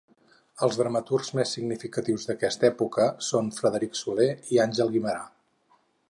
Els dramaturgs més significatius d'aquesta etapa són Frederic Soler i Àngel Guimerà.